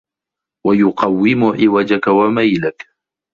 وَيُقَوِّمُ عِوَجَك وَمَيْلَك